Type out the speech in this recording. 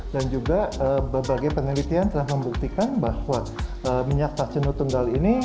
dan juga berbagai penelitian telah membuktikan bahwa minyak tak jenuh tunggal ini